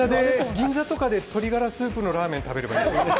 銀座とかで鶏がらスープのラーメン食べればいいですか？